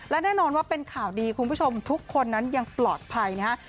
และแน่นอนว่าเป็นข่าวดีคุณผู้ชมทุกคนนั้นยังปลอดภัยนะฮะ